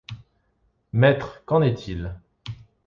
Maître, qu’en est-il ?